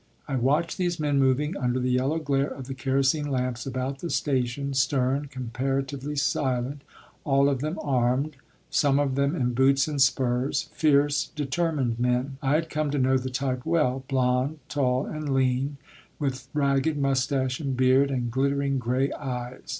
I watched these men moving under the yellow glare of the kerosene lamps about the station, stern, comparatively silent, all of them armed, some of them in boots and spurs; fierce, determined men. I had come to know the type well, blond, tall, and lean, with ragged mustache and beard, and glittering gray eyes.